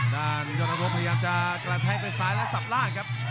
ฝันกองธรรมพยายามจะกระแทงไปซ้ายแล้วสับร่างครับ